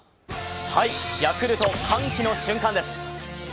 ヤクルト歓喜の瞬間です。